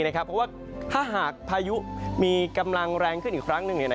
เพราะว่าถ้าหากพายุมีกำลังแรงขึ้นอีกครั้งหนึ่ง